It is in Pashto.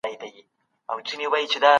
موږ په پښتو ژبي کتابونه لولو.